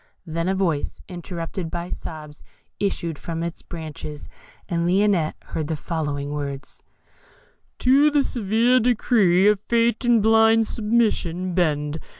Then a voice interrupted by sobs issued from its branches, and Lionette heard the following words: To the severe decree of Fate In blind submission bend.